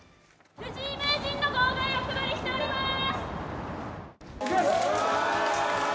藤井名人の号外をお配りしています。